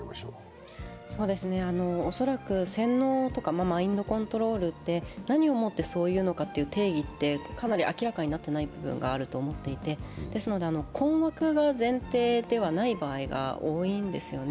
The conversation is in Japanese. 恐らく洗脳とかマインドコントロールって何をもってそう言うのかという定義はかなり明らかになってない部分があると思っていて、困惑が前提ではない場合が多いんですよね。